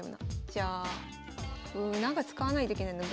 じゃあうんなんか使わないといけないんだ。